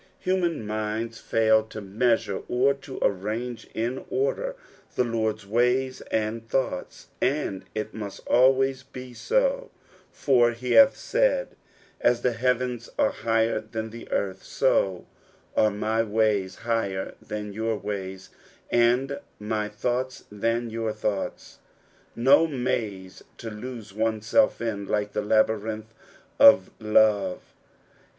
Human minds fail to measure, or to arrange in order, the Lord's ways and thoughts ; and it must always be so, for he hath said, " Ai the heavens are higher than the earth, so are my ways higher thnn your ways, and ay thoughts than your thoughts." No maze to lose oneself in like the labyrinth of love.